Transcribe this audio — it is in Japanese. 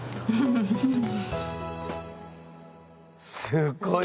すっごい